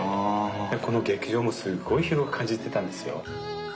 この劇場もすっごい広く感じてたんですよ。